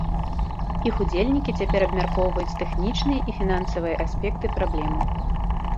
Іх удзельнікі цяпер абмяркоўваюць тэхнічныя і фінансавыя аспекты праблемы.